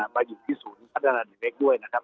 มาอยู่ที่ศูนย์พัฒนาเด็กเล็กด้วยนะครับ